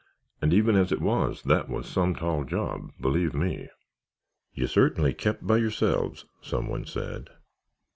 And even as it was, that was some tall job, believe me." "You certainly kept by yourselves," some one said.